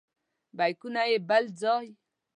بیکونه یې بل ځای.